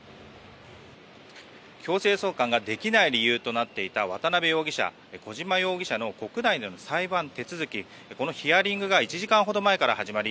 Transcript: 強制送還ができない理由となっていた渡邉容疑者、小島容疑者の国内での裁判手続きこのヒアリングが１時間ほど前から始まり